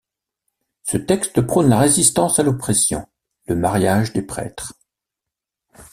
Ce texte prône la résistance à l'oppression, le mariage des prêtres.